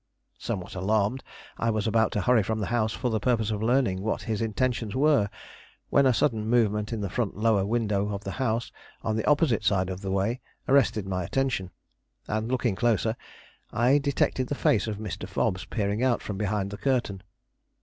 Somewhat alarmed, I was about to hurry from the house for the purpose of learning what his intentions were, when a sudden movement in the front lower window of the house on the opposite side of the way arrested my attention, and, looking closer, I detected the face of Mr. Fobbs peering out from behind the curtain.